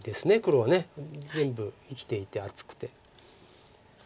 全部生きていて厚くて。